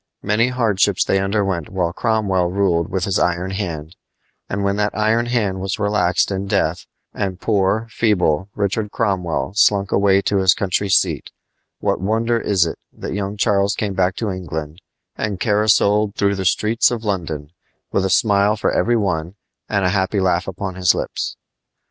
Many hardships they underwent while Cromwell ruled with his iron hand; and when that iron hand was relaxed in death, and poor, feeble Richard Cromwell slunk away to his country seat, what wonder is it that young Charles came back to England and caracoled through the streets of London with a smile for every one and a happy laugh upon his lips?